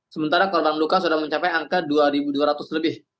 sementara korban luka sudah mencapai angka dua dua ratus lebih